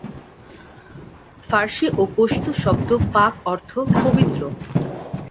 ফার্সি ও পশতু শব্দ 'পাক' অর্থ পবিত্র।